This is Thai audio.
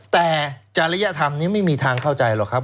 แต่จริยธรรมนี้ไม่มีทางเข้าใจหรอกครับ